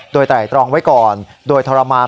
โดยไตรตรองไว้ก่อนโดยทรมาน